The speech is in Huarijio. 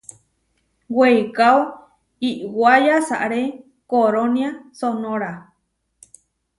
Weikáo iʼwá yasaré korónia Sonóra.